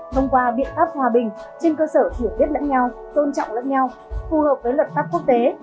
thông qua biện pháp hòa bình trên cơ sở hiểu biết lẫn nhau tôn trọng lẫn nhau phù hợp với luật pháp quốc tế